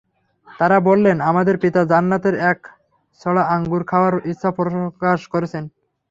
তারা বললেন, আমাদের পিতা জান্নাতের এক ছড়া আঙ্গুর খাওয়ার ইচ্ছা প্রকাশ করেছেন।